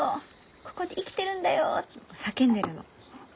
ここで生きてるんだよって叫んでるの。